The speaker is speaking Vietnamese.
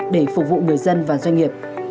để phục vụ người dân và doanh nghiệp